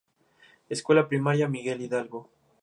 Escuela Primaria: Miguel Hidalgo